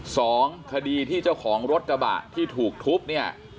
สองคดีที่เจ้าของรถกระบะที่ถูกทุบเนี่ย